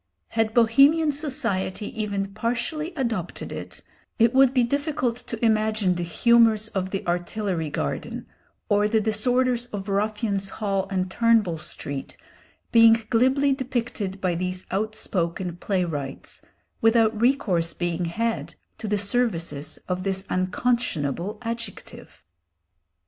Had Bohemian society even partially adopted it, it would be difficult to imagine the humours of the Artillery Garden, or the disorders of Ruffians' Hall and Turnbull Street, being glibly depicted by these outspoken playwrights without recourse being had to the services of this unconscionable adjective.